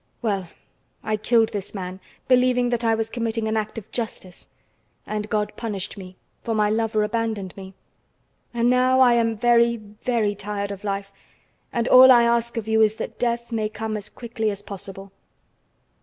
Well, I killed this man, believing that I was committing an act of justice, and God punished me, for my lover abandoned me. And now I am very, very tired of life, and all I ask of you is that death may come as quickly as possible."